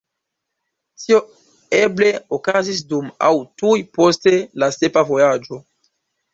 Tio eble okazis dum aŭ tuj post la sepa vojaĝo.